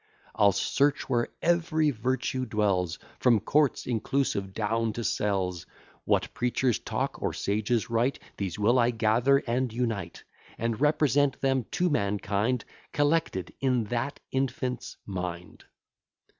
I'll search where every virtue dwells, From courts inclusive down to cells: What preachers talk, or sages write; These will I gather and unite, And represent them to mankind Collected in that infant's mind.